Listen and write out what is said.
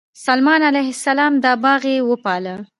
سلیمان علیه السلام دا باغ یې وپاله.